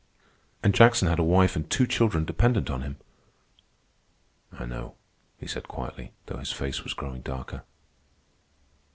"And Jackson had a wife and two children dependent on him." "I know," he said quietly, though his face was growing darker.